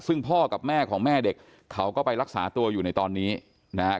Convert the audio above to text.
ซึ่งพ่อกับแม่ของแม่เด็กเขาก็ไปรักษาตัวอยู่ในตอนนี้นะครับ